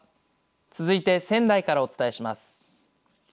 続いて、仙台からお伝えします。